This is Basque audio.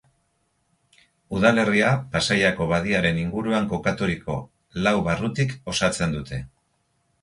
Udalerria Pasaiako badiaren inguruan kokaturiko lau barrutik osatzen dute.